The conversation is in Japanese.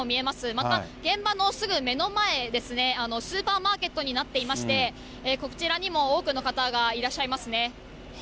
また現場のすぐ目の前ですね、スーパーマーケットになっていまして、こちらにも多くの方がいらっしゃいますね。